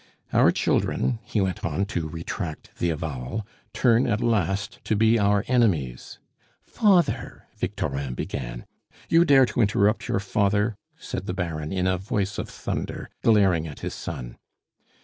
"Our children," he went on, to retract the avowal, "turn at last to be our enemies " "Father!" Victorin began. "You dare to interrupt your father!" said the Baron in a voice of thunder, glaring at his son.